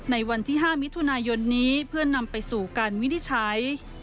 ในวันที่๕มิถุนายนนี้เพื่อนำไปสู่การวินิจฉัย